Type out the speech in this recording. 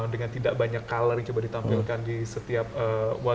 dengan tidak banyak color yang coba ditampilkan di setiap warna